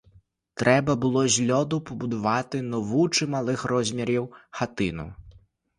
Треба було з льоду побудувати нову, чималих розмірів хатину.